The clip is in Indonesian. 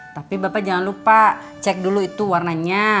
tapi bapak jangan lupa cek dulu itu warnanya